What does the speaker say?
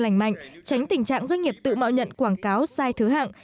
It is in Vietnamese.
lành mạnh tránh tình trạng doanh nghiệp tự mạo nhận quảng cáo sai thứ hạng